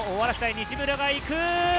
西村が行く。